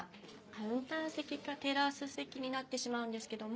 カウンター席かテラス席になってしまうんですけども。